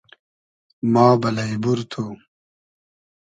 ما بئلݷ بور تو